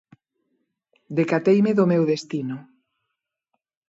Decateime do meu destino.